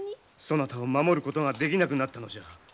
そなたを守ることができなくなったのじゃ。